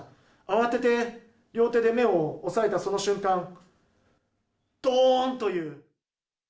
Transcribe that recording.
慌てて、両手で目を押さえたその瞬間、どーんという。